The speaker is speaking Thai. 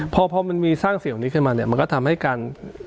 พอพอมันมีสร้างเสี่ยวนี้ขึ้นมาเนี่ยมันก็ทำให้การ